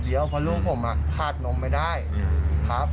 เพราะลูกผมขาดนมไม่ได้ครับ